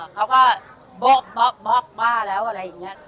เขาก็โบ๊ะบ๊อกบล็อกบ้าแล้วอะไรอย่างนี้